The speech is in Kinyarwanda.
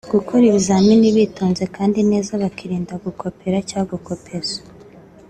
gukora ibizami bitonze kandi neza bakirinda gukopera cyangwa gukopeza